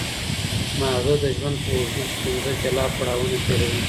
ماغزه د ژوند په اوږدو کې پنځه جلا پړاوونه تېروي.